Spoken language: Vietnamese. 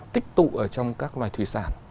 tích tụ ở trong các loài thủy sản